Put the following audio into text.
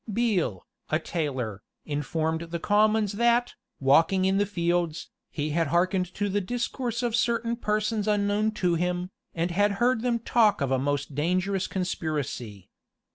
Beale, a tailor, informed the commons that, walking in the fields, he had hearkened to the discourse of certain persons unknown to him, and had heard them talk of a most dangerous conspiracy.